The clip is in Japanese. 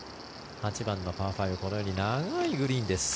８番のパー５このように長いグリーンです。